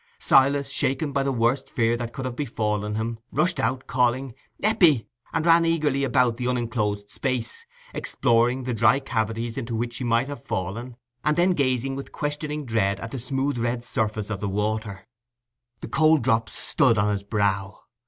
Silas, shaken by the worst fear that could have befallen him, rushed out, calling "Eppie!" and ran eagerly about the unenclosed space, exploring the dry cavities into which she might have fallen, and then gazing with questioning dread at the smooth red surface of the water. The cold drops stood on his brow.